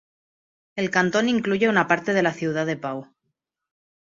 El cantón incluye una parte de la ciudad de Pau.